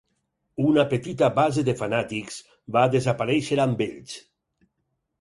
Una petita base de fanàtics va desaparèixer amb ells.